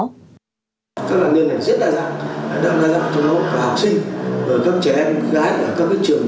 các nạn nhân này rất đa dạng đa dạng trong lúc học sinh